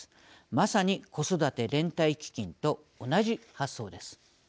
まさに、子育て連帯基金と同じ発想です。